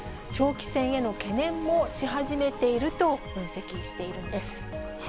長期戦への懸念もし始めていると分析しているんです。